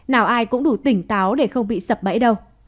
nào ai cũng đủ tỉnh táo để không bị sập bẫy đâu